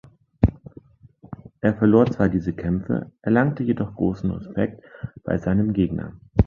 Er verlor zwar diese Kämpfe, erlangte jedoch großen Respekt bei seinem Gegner.